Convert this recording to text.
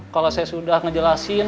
kalau saya sudah ngejelasin